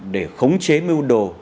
để khống chế miu đồ